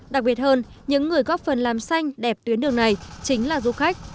đặc biệt hơn những người góp phần làm xanh đẹp tuyến đường này chính là du khách